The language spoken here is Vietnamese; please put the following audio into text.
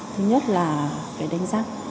thứ nhất là phải đánh răng